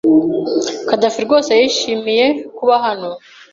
Khadafi rwose yishimiye kuba hano.